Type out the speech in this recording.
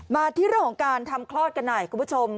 มาที่เรื่องของการทำคลอดกันหน่อยคุณผู้ชม